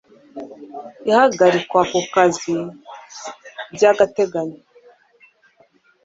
ihagarikwa ku kazi by agateganyo